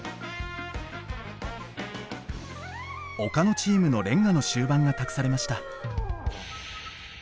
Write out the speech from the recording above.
岡野チームの連歌の終盤が託されました。